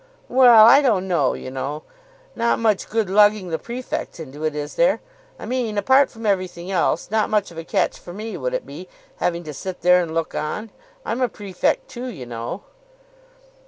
"Well, I don't know, you know. Not much good lugging the prefects into it, is there? I mean, apart from everything else, not much of a catch for me, would it be, having to sit there and look on. I'm a prefect, too, you know."